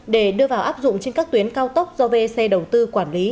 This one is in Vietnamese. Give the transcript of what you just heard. để đưa vào áp dụng trên các tuyến cao tốc do vec đầu tư quản lý